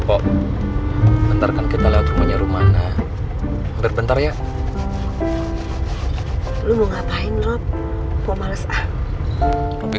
hai pokok ntar kan kita lewat rumahnya rumana berbentak ya lu mau ngapain rob mau males ah lebih